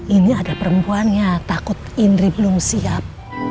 ini ada perempuannya takut indri belum siap